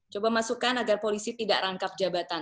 coba masukkan agar polisi tidak rangkap jabatan